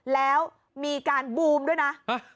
แล้วมีการบูมด้วยนะ